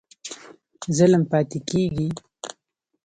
ظلم پاتی کیږي؟